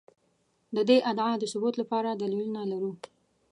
د دې ادعا د ثبوت لپاره دلیلونه لرو.